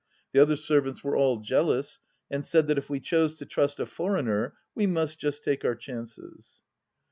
The other servants were all jealous, and said that if we chose to trust a foreigner we must just take our chances.